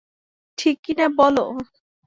ঠিক কি না বলো।